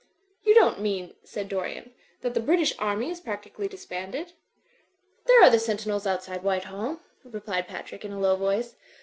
"You don't mean," said Dorian, '*that the British Army is practically disbanded?" "There are the sentinels outside Whitehall," re plied Patrick, in a low voice.